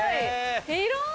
広い！